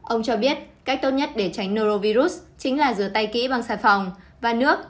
ông cho biết cách tốt nhất để tránh norovirus chính là rửa tay kỹ bằng sạch phòng và nước